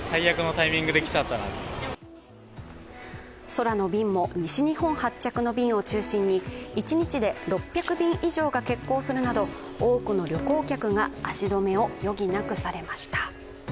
空の便も西日本発着の便を中心に一日で６００便以上が欠航するなど多くの旅行客が足止めを余儀なくされました。